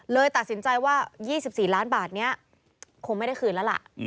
เลยตัดสินใจว่า๒๔ล้านบาทนี้คงไม่ได้คืนแล้วล่ะ